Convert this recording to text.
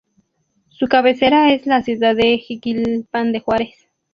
Su cabecera es la ciudad de Jiquilpan de Juárez.